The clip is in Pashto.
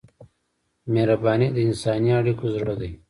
مهرباني د انساني اړیکو زړه دی.